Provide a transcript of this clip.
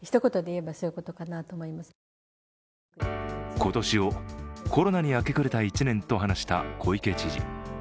今年をコロナに明け暮れた１年と話した小池都知事。